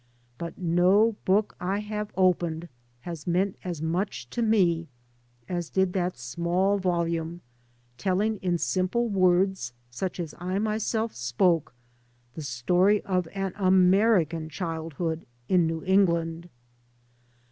But no book I have opened has meant as much to me as did that small volume telling in simple words such as I myself spoke, the story of an American childhood in New Eng land.